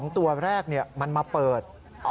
ตัวแรกมันมาเปิด